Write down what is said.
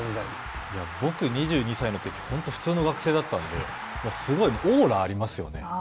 僕２２歳のとき、本当普通の学生だったのですごいオーラがありますよね。